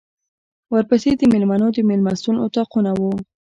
ورپسې د مېلمنو د مېلمستون اطاقونه و.